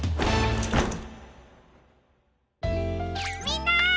みんな！